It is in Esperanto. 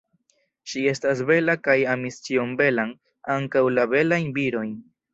Ŝi estis bela kaj amis ĉion belan, ankaŭ la belajn virojn.